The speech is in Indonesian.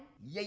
eh lu dasar